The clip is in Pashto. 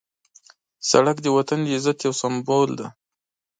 سړک د وطن د عزت یو سمبول دی.